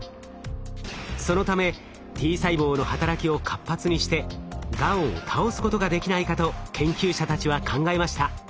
そのためＴ細胞の働きを活発にしてがんを倒すことができないかと研究者たちは考えました。